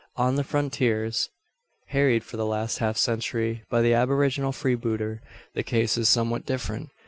On the frontiers, harried for the last half century by the aboriginal freebooter, the case is somewhat different.